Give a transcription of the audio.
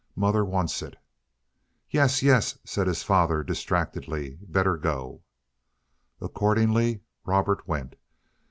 Mother wants it." "Yes, yes," said his father distractedly, "better go." Accordingly Robert went.